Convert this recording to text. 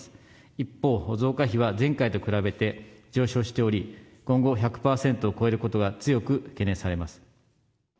一方、増加比は前回と比べて上昇しており、今後、１００％を超えることが強く懸念されます。